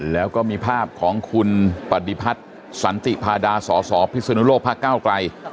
แล้วก็มีภาพของคุณปฏิพัฒน์สันติพาดาสสพิศนุโลกพระเก้าไกล